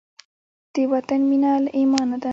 د وطن مینه له ایمانه ده.